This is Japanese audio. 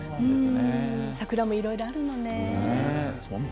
桜もいろいろあるのね。